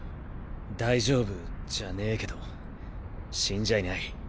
大丈夫じゃねぇけど死んじゃいない。